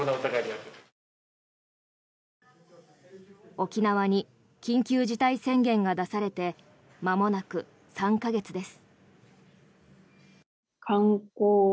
沖縄に緊急事態宣言が出されてまもなく３か月です。